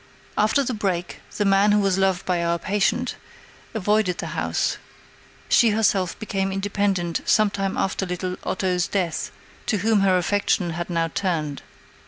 After the break, the man who was loved by our patient avoided the house: she herself became independent some time after little Otto's death, to whom her affection had now turned.